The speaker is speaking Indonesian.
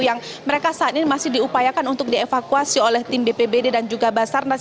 yang mereka saat ini masih diupayakan untuk dievakuasi oleh tim bpbd dan juga basarnas